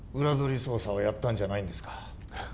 裏取り捜査はやったんじゃないんですか？